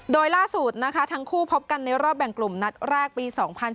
โดยล่าสุดนะคะทั้งคู่พบกันในรอบแบ่งกลุ่มนัดแรกปี๒๐๑๖